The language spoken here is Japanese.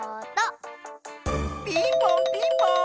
ピンポンピンポーン！